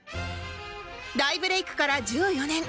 大ブレイクから１４年